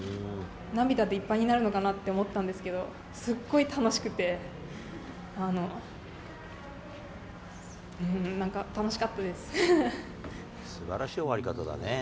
涙でいっぱいになるのかなって思ったんですけど、すっごい楽しくて、すばらしい終わり方だね。